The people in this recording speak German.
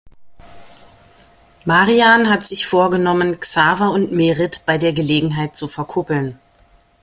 Marian hat sich vorgenommen, Xaver und Merit bei der Gelegenheit zu verkuppeln.